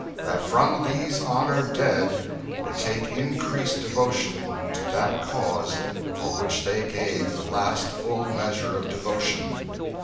. .that from these honored dead we take increased devotion to that cause for which they gave the last full measure of devotion.